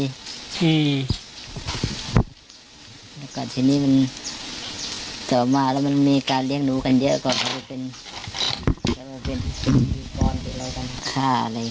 อืมแล้วก็ทีนี้มันต่อมาแล้วมันมีการเลี้ยงหนูกันเยอะกว่าเขาจะเป็น